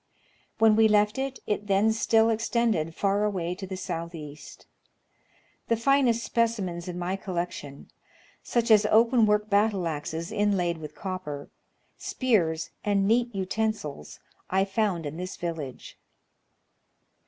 When we left it, it then still extended far away to the south east. The finest specimens in my collection, such as open work battle axes inlaid with copper, spears, and neat utensils, I foi; nd in this village.